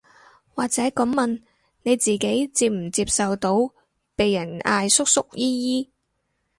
或者噉問，你自己接唔接受到被人嗌叔叔姨姨